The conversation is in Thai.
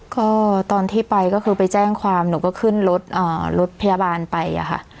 ก็ตอนที่ไปก็คือไปแจ้งความหนูก็ขึ้นรถรถพยาบาลไปอะค่ะ